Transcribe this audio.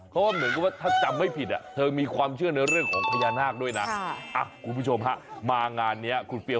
เพราะว่าเหมือนกินว่าถ้าจำไม่ผิด